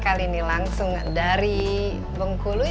kali ini langsung dari bengkulu